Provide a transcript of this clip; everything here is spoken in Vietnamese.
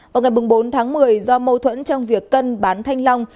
vào ngày bốn tháng một mươi do mâu thuẫn trong việc cân bán thanh long